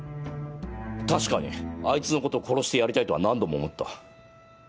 確かにあいつのことを殺してやりたいとは何度も思った。